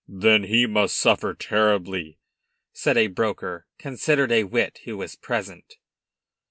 "Then he must suffer terribly!" said a broker, considered a wit, who was present.